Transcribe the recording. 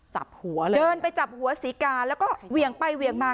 จับหัวเลยเดินไปจับหัวศรีกาแล้วก็เหวี่ยงไปเหวี่ยงมา